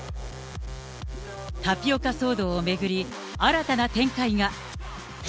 タピオカ騒動を巡り、新たな展開が。